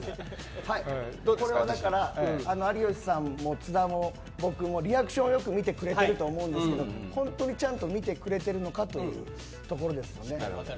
これは有吉さんも津田も僕もリアクションよく見てくれてると思うんですけど本当にちゃんと見てくれているのかというところですよね。